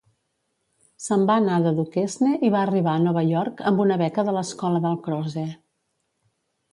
Se'n va anar de Duquesne i va arribar a Nova York amb una beca de l'escola Dalcroze.